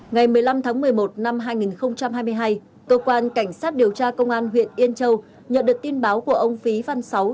ngày một mươi năm tháng một mươi một năm hai nghìn hai mươi hai cơ quan cảnh sát điều tra công an huyện yên châu nhận được tin báo của ông phí văn sáu